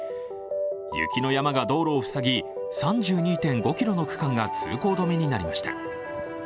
雪の山が道路を塞ぎ、３２．５ｋｍの区間が通行止めになりました。